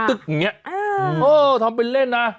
เออทำเป็นเล่นอะ